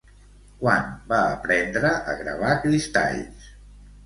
Quan va aprendre a gravar cristalls?